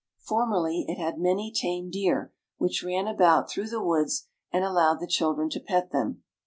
Formerly it had many tame deer, which ran about through the woods and allowed the children to pet them.